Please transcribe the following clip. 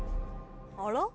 あら？